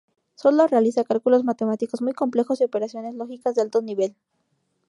Sólo realiza cálculos matemáticos muy complejos y operaciones lógicas de alto nivel.